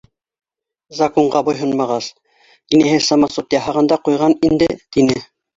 Закунға буйһонмағас, инәһе самасут яһаған да ҡуйған инде, - тине.